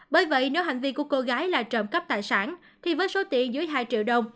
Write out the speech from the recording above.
bởi vậy nếu hành vi của cô gái là trộm cắp tài sản thì với số tiền dưới hai triệu đồng